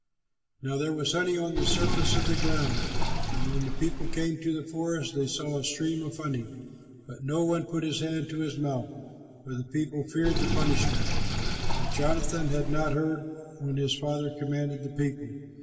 Now there was honey on the surface of the ground; and when the people came to the forest, they saw a stream of honey, but no one put his hand to his mouth, for the people feared the punishment. But Jonathan had not heard when his father commanded the people.